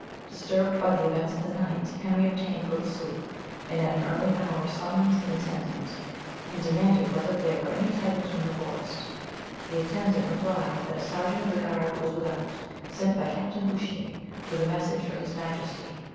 Disturbed by the events of the night, Henry obtained little sleep, and at an early hour summoned an attendant, and demanded whether there were any tidings from the forest The attendant replied that a sergeant of the guard was without, sent by Captain Bouchier with a message for his majesty.